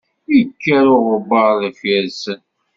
Ikker uɣebbaṛ deffir-sen.